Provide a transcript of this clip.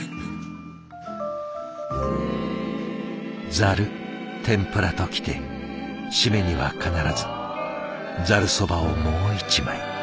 ざる天ぷらときて締めには必ずざるそばをもう一枚。